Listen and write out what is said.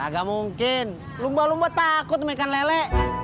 nggak mungkin lumba lumba takut sama ikan lele